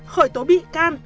khởi tố bị can